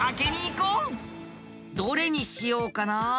どれにしようかな